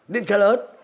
điện trở lớn